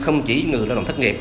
không chỉ người lao động thất nghiệp